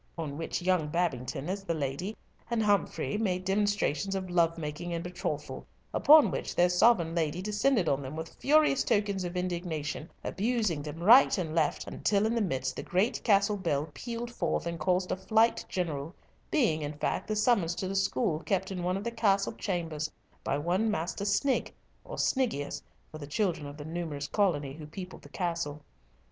On which young Babington, as the lady, and Humfrey, made demonstrations of love making and betrothal, upon which their sovereign lady descended on them with furious tokens of indignation, abusing them right and left, until in the midst the great castle bell pealed forth, and caused a flight general, being, in fact, the summons to the school kept in one of the castle chambers by one Master Snigg, or Sniggius, for the children of the numerous colony who peopled the castle.